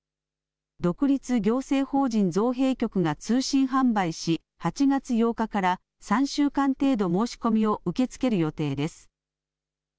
独立行政法人造幣局が通信販売し８月８日から３週間程度申し込みを受け付ける予定です。